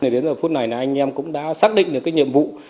đến phút này anh em cũng đã xác định được nhiệm vụ